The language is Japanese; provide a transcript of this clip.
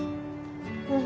うん。